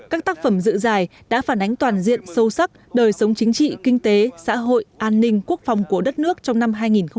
các tác phẩm dự giải đã phản ánh toàn diện sâu sắc đời sống chính trị kinh tế xã hội an ninh quốc phòng của đất nước trong năm hai nghìn một mươi chín